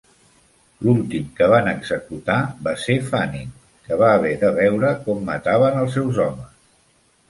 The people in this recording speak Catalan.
L'últim que van executar va ser Fannin, que va haver de veure com mataven els seus homes.